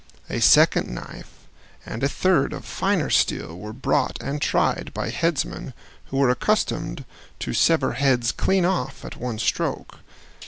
A second knife and a third of finer steel were brought and tried by headsmen who were accustomed to sever heads clean off at one stroke.